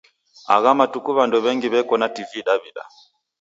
Agha matuku w'andu w'engi w'eko na TV Daw'ida.